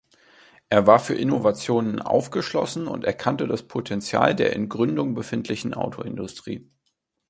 Er war für Innovationen aufgeschlossen und erkannte das Potential der in Gründung befindlichen Autoindustrie.